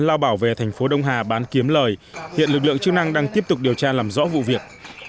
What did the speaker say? lao bảo về thành phố đông hà bán kiếm lời hiện lực lượng chức năng đang tiếp tục điều tra làm rõ vụ việc